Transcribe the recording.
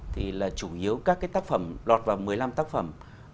thì là chủ yếu các cái tác phẩm lọt vào một mươi năm tác phẩm